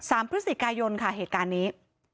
สำเพศรีกายนค่ะเหตุการณ์นี้